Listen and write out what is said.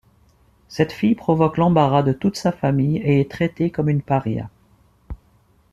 Cette fille provoque l'embarras de toute sa famille et est traitée comme une paria.